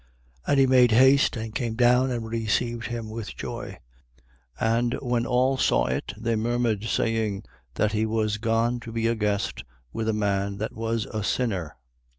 19:6. And he made haste and came down and received him with joy. 19:7. And when all saw it, they murmured, saying, that he was gone to be a guest with a man that was a sinner.